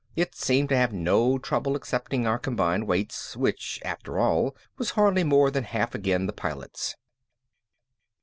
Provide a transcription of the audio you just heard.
It seemed to have no trouble accepting our combined weight, which after all was hardly more than half again the Pilot's.